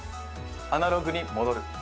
アナログに戻る。